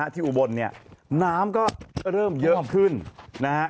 ที่อุบลน้ำก็เริ่มเยอะขึ้น